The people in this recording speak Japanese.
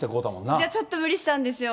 いやちょっと無理したんですよ。